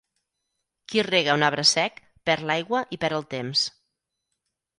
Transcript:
Qui rega un arbre sec, perd l'aigua i perd el temps.